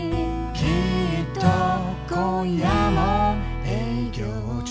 「きっと今夜も営業中」